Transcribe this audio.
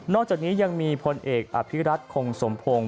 จากนี้ยังมีพลเอกอภิรัตคงสมพงศ์